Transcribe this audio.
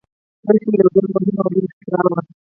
غشی یو ډیر مهم او لوی اختراع و.